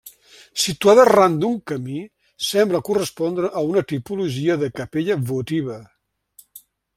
Situada ran d'un camí, sembla correspondre a una tipologia de capella votiva.